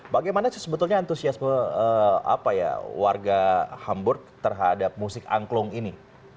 bagaimana sebetulnya entusiasme apa ya warga hamburg terhadap musik angklung ini